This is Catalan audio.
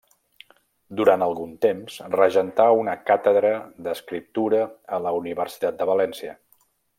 Durant algun temps regentà una càtedra d'Escriptura a la Universitat de València.